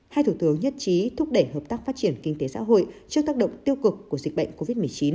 hai thủ tướng nhất trí thúc đẩy hợp tác phát triển kinh tế xã hội trước tác động tiêu cực của dịch bệnh covid một mươi chín